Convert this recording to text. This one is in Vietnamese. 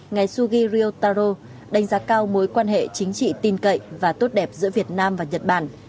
ngài sugiri otaro đánh giá cao mối quan hệ chính trị tin cậy và tốt đẹp giữa việt nam và nhật bản